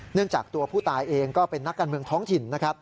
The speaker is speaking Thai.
เนื่องจากตัวผู้ตายเองก็เป็นนักการเมืองท้องถิ่น